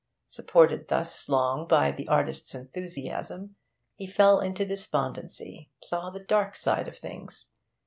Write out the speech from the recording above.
Supported thus long by the artist's enthusiasm, he fell into despondency, saw the dark side of things.